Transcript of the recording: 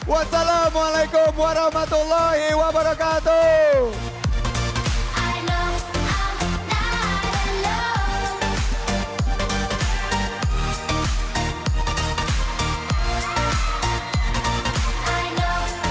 wassalamualaikum warahmatullahi wabarakatuh